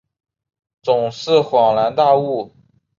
总是恍然大悟